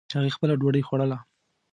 هغې خپله ډوډۍ خوړله